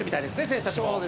選手たちも。